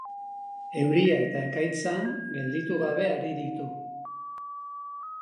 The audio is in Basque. Euria eta ekaitza gelditu gabe ari ditu.